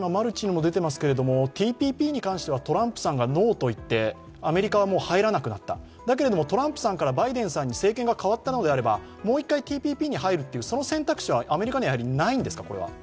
あとはＴＰＰに関してはトランプさんがノーと言ってアメリカは入らなくなった、だけれども、トランプさんからバイデンさんに政権が変わったのであればもう１回ＴＰＰに入るっていう選択肢はアメリカにはないんですか？